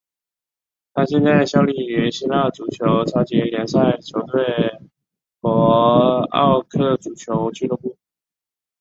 他现在效力于希腊足球超级联赛球队帕奥克足球俱乐部。